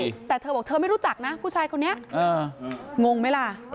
แต่เธอบอกเธอไม่รู้จักนะผู้ชายคนนี้งงไหมล่ะ